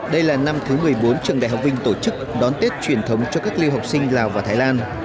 đây là năm thứ một mươi bốn trường đại học vinh tổ chức đón tết truyền thống cho các lưu học sinh lào và thái lan